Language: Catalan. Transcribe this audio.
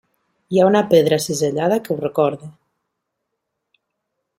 Hi ha una pedra cisellada que ho recorda.